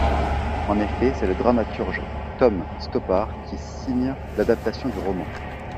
En effet, c'est le dramaturge Tom Stoppard qui signe l'adaptation du roman.